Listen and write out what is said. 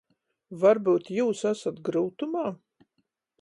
Varbyut jius asat gryutumā?